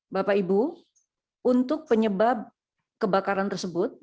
bapak ibu untuk penyebab kebakaran tersebut